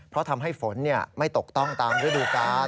เพราะทำให้ฝนไม่ตกต้องตามฤดูกาล